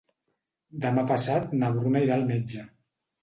Demà passat na Bruna irà al metge.